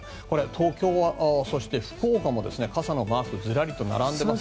東京、福岡も傘マークがずらりと並んでいます。